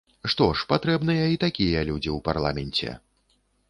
Што ж, патрэбныя і такія людзі ў парламенце!